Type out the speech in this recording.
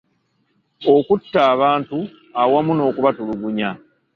Okutta abantu awamu n'okubatulugunya